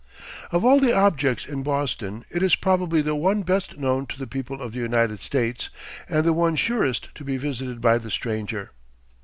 Of all the objects in Boston it is probably the one best known to the people of the United States, and the one surest to be visited by the stranger.